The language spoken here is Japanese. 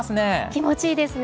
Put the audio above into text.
気持ちいいですね。